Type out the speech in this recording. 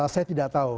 saya tidak tahu